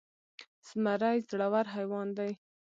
زمری زړور حيوان دی.